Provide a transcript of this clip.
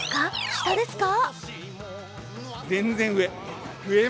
下ですか？